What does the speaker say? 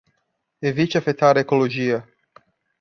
Evite afetar a ecologia